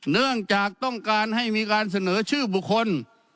เนื่องจากต้องการให้มีการเสนอชื่อบุคคล